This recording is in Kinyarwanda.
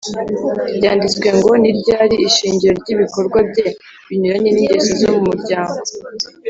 . ‘‘Byanditswe ngo’’ ni ryo ryari ishingiro ry’ibikorwa bye binyuranye n’ingeso zo mu muryango.